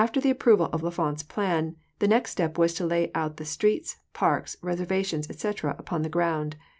After the approval of L'Enfant's plan, the next step was to lay out the streets, parks, reservations, etc, upon the ground.